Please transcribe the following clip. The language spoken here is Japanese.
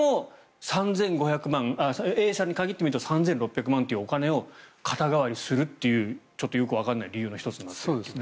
これもＡ社に限ってみると３５００万円というお金を肩代わりするというよくわからない理由の１つになっている。